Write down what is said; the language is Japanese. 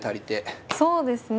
そうですね。